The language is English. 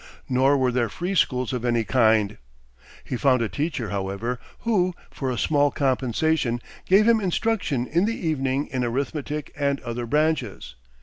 Nor were there free schools of any kind. He found a teacher, however, who, for a small compensation, gave him instruction in the evening in arithmetic and other branches.